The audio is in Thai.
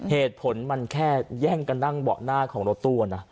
เหตุผลมันแค่แย่งกันนั่งเบาะหน้าของรถตู้นะ